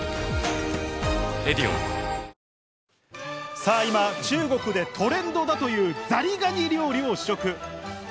さあ、今中国でトレンドだというザリガニ料理を試食。